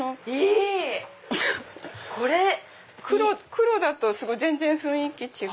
黒だと全然雰囲気違います。